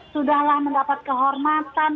sudahlah mendapat kehormatan